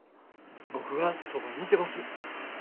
僕がそばにいてます。